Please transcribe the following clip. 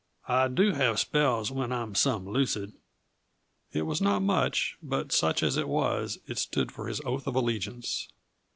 I do have spells when I'm some lucid." It was not much, but such as it was it stood for his oath of allegiance.